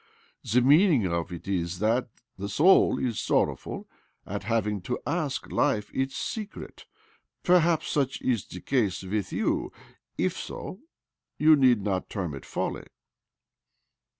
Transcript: The meaning of it is that the soul is sorrowful at having to ask life its secret. Perhaps such is the case with you. If so, you need not term it folly."